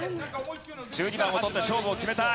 １２番を取って勝負を決めたい。